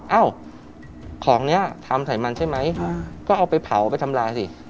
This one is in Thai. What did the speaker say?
เอ้าของนี้ทำใส่มันใช่ไหมก็เอาไปเผาไปทำลายสิ